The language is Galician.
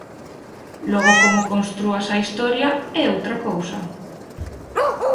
Logo como constrúas a historia é outra cousa.